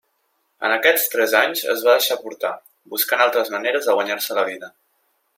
En aquests tres anys es va deixar portar, buscant altres maneres de guanyar-se la vida.